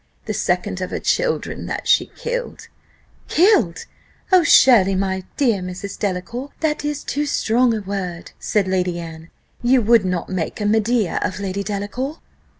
The second of her children, that she killed " "Killed! Oh! surely, my dear Mrs. Delacour, that is too strong a word," said Lady Anne: "you would not make a Medea of Lady Delacour!"